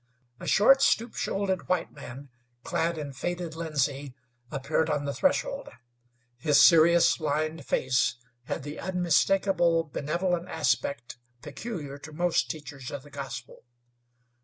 A short, stoop shouldered white man, clad in faded linsey, appeared on the threshold. His serious, lined face had the unmistakable benevolent aspect peculiar to most teachers of the gospel.